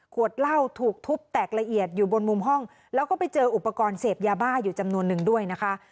เหล้าถูกทุบแตกละเอียดอยู่บนมุมห้องแล้วก็ไปเจออุปกรณ์เสพยาบ้าอยู่จำนวนนึงด้วยนะคะ